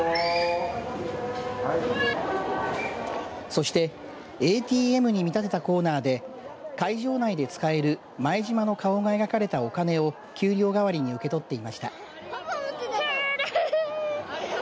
そしてＡＴＭに見立てたコーナーで会場内で使える前島の顔が描かれたお金を給料代わりに受け取っていました。